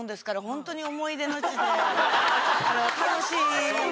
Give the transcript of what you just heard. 楽しい。